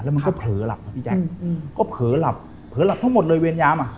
มันก็เผลอหลับนะพี่แจ๊คก็เผลอหลับเผลอหลับทั้งหมดเลยเวรยามอ่ะ